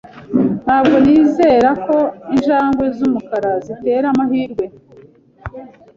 Ntabwo nizera ko injangwe z'umukara zitera amahirwe.